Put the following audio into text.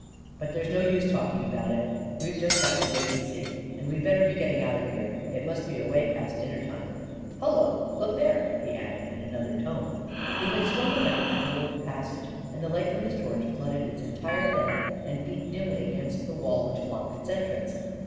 But there's no use talk ing about it — we've just got to wait and see. And we'd better be getting out of here. It must be away A KING IN BABYLON 219 past dinner time. Hullo I Look there !" he added, in another tone. He had swung around toward the passage, and the light from his torch flooded its entire length and beat dimly against the wall which blocked its en trance.